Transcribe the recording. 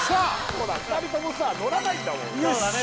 ほら２人ともさのらないんだもんそうだね